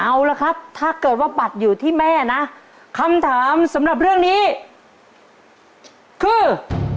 เอาละครับถ้าเกิดว่าบัตรอยู่ที่แม่นะคำถามสำหรับเรื่องนี้คือ